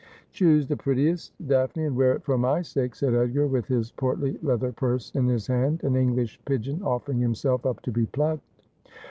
' Choose the prettiest. Daphne, and wear it for my sake,' said Edgar, with his portly leather purse in his hand, an English pigeon offering himself up to be plucked.